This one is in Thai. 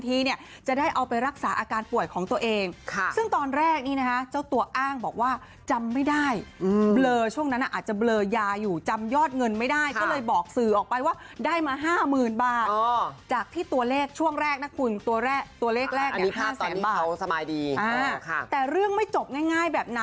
ทีเนี่ยจะได้เอาไปรักษาอาการป่วยของตัวเองซึ่งตอนแรกนี้นะฮะเจ้าตัวอ้างบอกว่าจำไม่ได้เบลอช่วงนั้นอาจจะเบลอยาอยู่จำยอดเงินไม่ได้ก็เลยบอกสื่อออกไปว่าได้มา๕๐๐๐บาทจากที่ตัวเลขช่วงแรกนะคุณตัวเลขตัวเลขแรกเนี่ย๕แสนบาทแต่เรื่องไม่จบง่ายแบบน